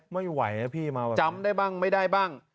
ไม่ไหวนะพี่จำได้บ้างไม่ได้บ้าง